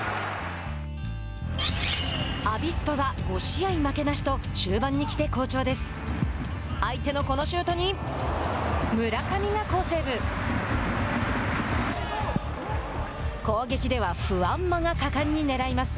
アビスパは５試合負けなしと終盤に来て好調です。